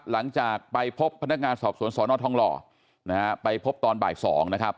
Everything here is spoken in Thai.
หลังจากไปพบพนักงานสอบสวนสอนอทองหล่อนะฮะไปพบตอนบ่าย๒นะครับ